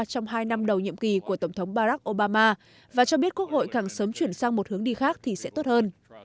trong hai năm đầu nhiệm kỳ của tổng thống barack obama và cho biết quốc hội càng sớm chuyển sang một hướng đi khác thì sẽ tốt hơn